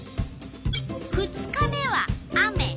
２日目は雨。